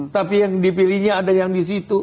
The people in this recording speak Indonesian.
tapi yang dipilihnya ada yang di situ